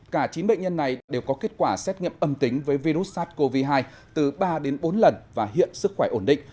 cả chín bệnh nhân này đều có kết quả xét nghiệm âm tính với virus sars cov hai từ ba đến bốn lần và hiện sức khỏe ổn định